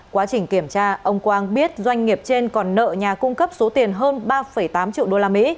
quá trình kiểm tra ông quang biết doanh nghiệp trên còn nợ nhà cung cấp số tiền hơn ba tám triệu usd